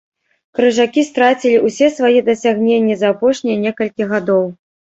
Крыжакі страцілі ўсе свае дасягненні за апошнія некалькі гадоў.